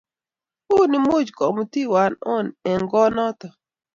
Uni much kumutiwe on eng' koot noto